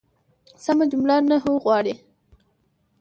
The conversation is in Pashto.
سمه جمله نحوه غواړي.